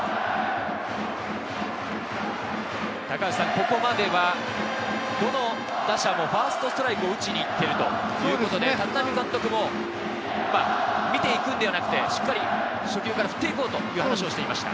ここまでは、どの打者もファーストストライクを打ちに行っているということで、立浪監督も見ていくのではなくて、しっかり初球から振って行こうという話をしていました。